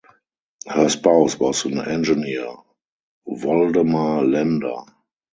Her spouse was an engineer Voldemar Lender.